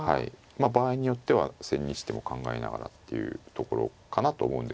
場合によっては千日手も考えながらっていうところかなと思うんですけど。